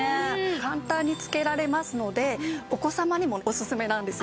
簡単につけられますのでお子様にもおすすめなんですよ。